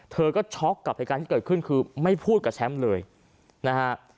เธอก็ช็อกกับเหตุการณ์ที่เกิดขึ้นคือไม่พูดกับแชมป์เลยนะฮะ